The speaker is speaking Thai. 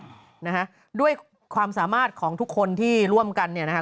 ใช้คนเยอะมากนะฮะด้วยความสามารถของทุกคนที่ร่วมกันเนี่ยนะฮะ